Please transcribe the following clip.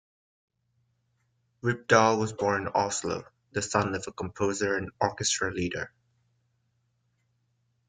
Rypdal was born in Oslo, the son of a composer and orchestra leader.